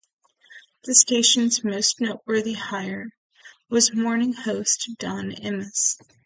The station's most noteworthy hire was morning host Don Imus.